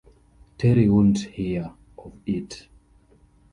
Terry wouldn't hear of it.